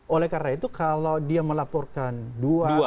oleh karena itu kalau dia melaporkan dua